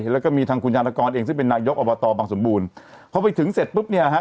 แล้วก็มีทางคุณยานกรเองซึ่งเป็นนายกอบตบังสมบูรณ์พอไปถึงเสร็จปุ๊บเนี่ยนะฮะ